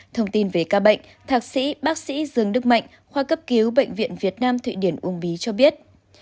thông tin về ca bệnh thạc sĩ bác sĩ dương đức mạnh khoa cấp cứu bệnh viện việt nam thụy điển uông bí cho biết